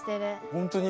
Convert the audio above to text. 本当に？